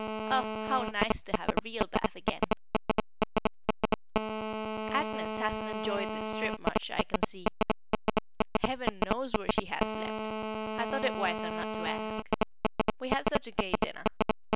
Oh! how nice to have a real bath again! [Sidenote: A Gay Dinner] Agnès hasn't enjoyed this trip much, I can see. Heaven knows where she has slept! I thought it wiser not to ask. We had such a gay dinner.